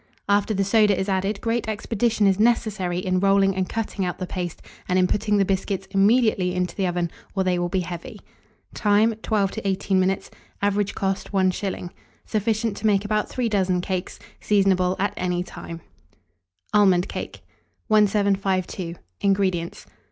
After the soda is added, great expedition is necessary in rolling and cutting out the paste, and in putting the biscuits immediately into the oven, or they will be heavy. Time. 12 to 18 minutes. Average cost, 1s. Sufficient to make about 3 dozen cakes. Seasonable at any time. ALMOND CAKE. 1752. INGREDIENTS.